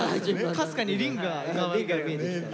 かすかにリングが見えてるから。